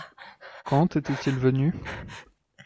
Quand était-il venu ?